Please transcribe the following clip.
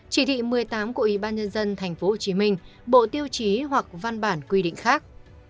chỉ thị một mươi tám của ủy ban nhân dân tp hcm bộ tiêu chí hoặc văn bản quy định khác